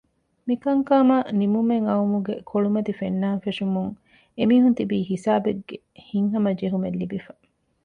މިކަންކަމަށް ނިމުމެއް އައުމުގެ ކޮޅުމަތި ފެންނާން ފެށުމުން އެމީހުން ތިބީ ހިސާބެއްގެ ހިތްހަމަ ޖެހުމެއް ލިބިފަ